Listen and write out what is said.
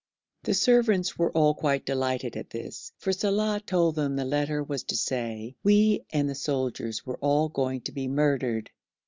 The servants were all quite delighted at this, for Saleh told them the letter was to say we and the soldiers were all going to be murdered.